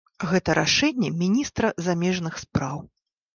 Гэта рашэнне міністра замежных спраў.